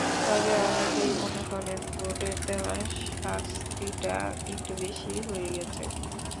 তবে অনেকেই মনে করেন, বোর্ডের দেওয়া শাস্তিটা একটু বেশিই হয়ে গেছে।